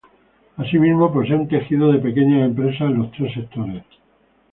Asimismo, posee un tejido de pequeñas empresas en los tres sectores.